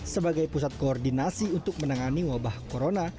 sebagai pusat koordinasi untuk menangani wabah corona